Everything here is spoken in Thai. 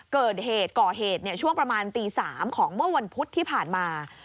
เกิดเหตุก่อเหตุช่วงประมาณตี๓ของเมื่อวันพุธที่ผ่านมา